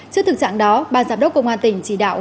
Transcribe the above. trước thực trạng đó ban giám đốc công an tỉnh chỉ đạo